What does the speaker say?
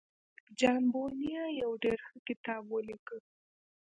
جان بونيان يو ډېر ښه کتاب وليکه.